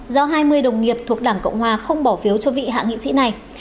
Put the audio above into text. do hai mươi đồng nghiệp thuộc đảng cộng hòa không bỏ phiếu cho vị hạ nghị sĩ này